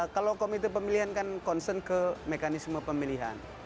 kalau komite pemilihan kan concern ke mekanisme pemilihan